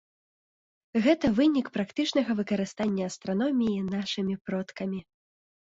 Гэта вынік практычнага выкарыстання астраноміі нашымі продкамі.